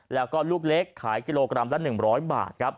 แล้วก็ลูกเล็กขายกิโลกรัมละ๑๐๐บาทครับ